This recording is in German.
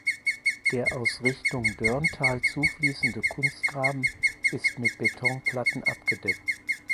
Der aus Richtung Dörnthal zufließende Kunstgraben ist mit Betonplatten abgedeckt.